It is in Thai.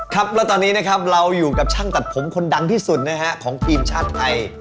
ครับแล้วตอนนี้นะครับเราอยู่กับช่างตัดผมคนดังที่สุดนะฮะของทีมชาติไทย